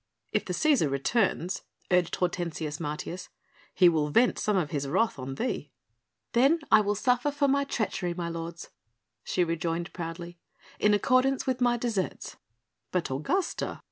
"If the Cæsar returns," urged Hortensius Martius, "he will vent some of his wrath on thee." "Then will I suffer for my treachery, my lords," she rejoined proudly, "in accordance with my deserts." "But Augusta